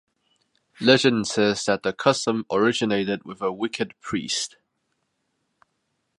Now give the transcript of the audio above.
Legend says that the custom originated with a wicked priest.